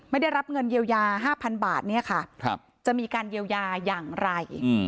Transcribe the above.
ไม่ได้รับเงินเยียวยา๕๐๐๐บาทเนี่ยค่ะจะมีการเยียวยาอย่างไร